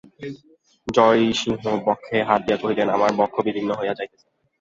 জয়সিংহ বক্ষে হাত দিয়া কহিলেন, আমার বক্ষ বিদীর্ণ হইয়া যাইতেছে।